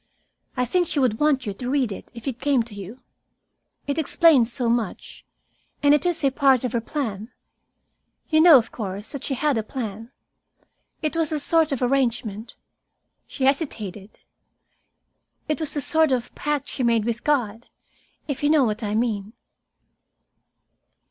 "I think she would want you to read it if it came to you. It explains so much. And it was a part of her plan. You know, of course, that she had a plan. It was a sort of arrangement" she hesitated "it was a sort of pact she made with God, if you know what I mean."